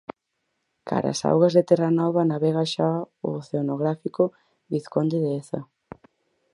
Cara as augas de Terranova navega xa o oceanográfico Vizconde de Eza.